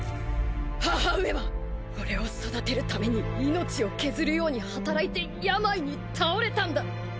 母上は俺を育てるために命を削るように働いて病に倒れたんだ！